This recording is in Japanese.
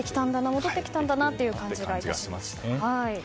戻ってきたんだなという感じがしました。